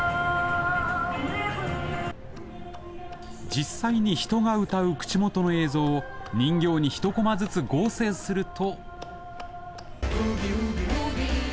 実際に人が歌う口元の映像を人形に１コマずつ合成すると。